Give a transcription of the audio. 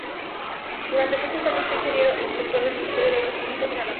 Durante muchos años fue ingeniero inspector del Ministerio de Obras Públicas de la Nación.